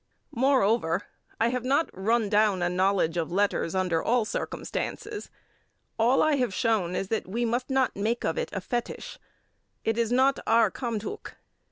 Moreover, I have not run down a knowledge of letters under all circumstances. All I have shown is that we must not make of it a fetish. It is not our Kamdhuk.